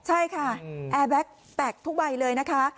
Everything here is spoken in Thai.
ใช่ค่ะแอร์แบ็คแตกทุกใบเลยนะคะ